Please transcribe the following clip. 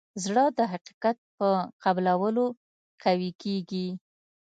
زړه د حقیقت په قبلولو قوي کېږي.